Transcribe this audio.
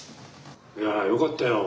いやよかったよ。